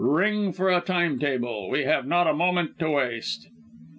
Ring for a time table. We have not a moment to waste!"